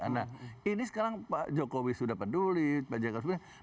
nah ini sekarang pak jokowi sudah peduli pak jagad sudah peduli